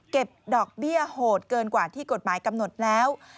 ดอกเบี้ยโหดเกินกว่าที่กฎหมายกำหนดแล้ว